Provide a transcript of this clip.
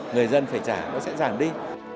người dân phải trả nó sẽ giảm đi